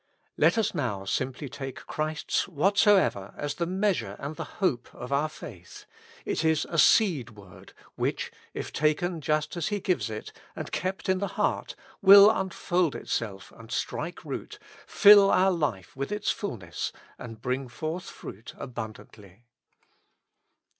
Let us now simply take Christ's '' what soever " as the measure and the hope of our faith : it is a seed word which, if taken just as He gives it, and kept in the heart, will unfold itself and strike root, fill our life with its fullness, and bring forth fruit abundantly.